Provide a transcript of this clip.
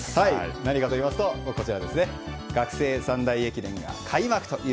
何かといいますと学生三大駅伝が開幕と。